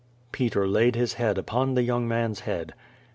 Peter laid his hand upon the young man's head.